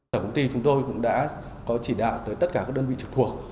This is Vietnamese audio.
tổng công ty chúng tôi cũng đã có chỉ đạo tới tất cả các đơn vị trực thuộc